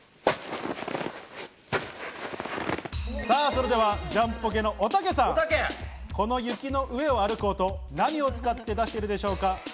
それではジャンポケのおたけさん、この雪の上を歩く音、何を使って出しているでしょうか？